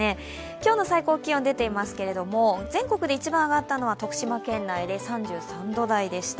今日の最高気温出ていますけど全国で一番気温が上がったのは徳島県内で３３度台でした。